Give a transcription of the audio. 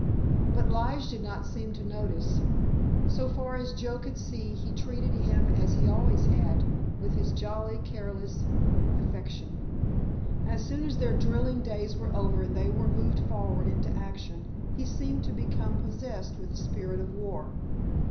But Lige did not seem to notice. So far as Joe could see he treated him as he always had, with his jolly, careless affection. As soon as their drilling days were over and they were moved forward into action he seemed to become possessed with the spirit of war.